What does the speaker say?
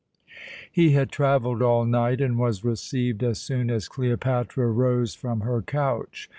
He had travelled all night, and was received as soon as Cleopatra rose from her couch.